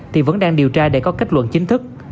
thì vẫn đang điều tra để có kết luận chính thức